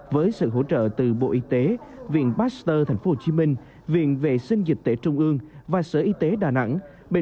với sự hỗ trợ từ bộ y tế viện pasteur tp hcm viện vệ sinh dịch tễ trung ương và sở y tế đà nẵng